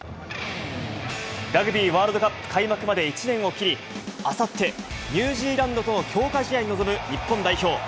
ラグビーワールドカップ開幕まで１年を切り、あさって、ニュージーランドとの強化試合に臨む日本代表。